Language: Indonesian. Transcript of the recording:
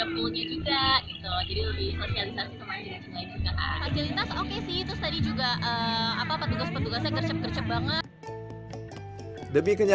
fasilitas oke sih terus tadi juga petugas petugasnya kercep kercep banget